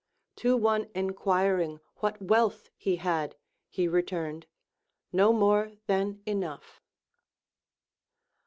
To one enquiring what wealth he had, he returned, No more than enough.